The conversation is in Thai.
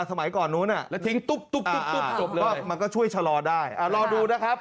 สมัยก่อนนู้นน่ะจบหวับว่าช่วยฉลอได้รอดูนะครับ